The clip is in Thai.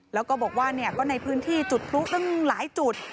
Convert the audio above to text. แล้วก็บอกว่าก็ในพื้นที่จุดพลุตั้งหลายจุด